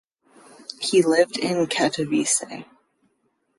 He lived in Katowice.